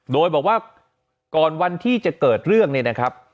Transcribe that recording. โดยบอกว่าก่อนวันที่จะเกิดเรื่องเนี่ยนะครับ